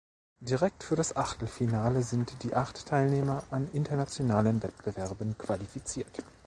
Direkt für das Achtelfinale sind die acht Teilnehmer an internationalen Wettbewerben qualifiziert.